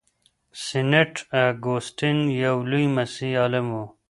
سینټ اګوستین یو لوی مسیحي عالم و.